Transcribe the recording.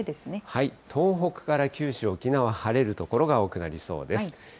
東北から九州、沖縄、晴れる所が多くなりそうです。